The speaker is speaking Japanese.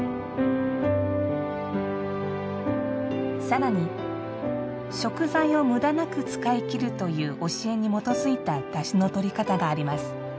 さらに、食材をむだなく使い切るという教えに基づいただしのとり方があります。